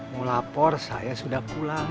mau lapor saya sudah pulang